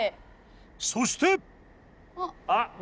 そして！